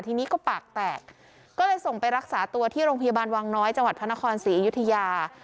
ทีนี้ก็ปากแตกก็เลยส่งไปรักษาตัวที่โรงพยาบาลวังน้อยจังหวัดพระนครศรีอยุธยา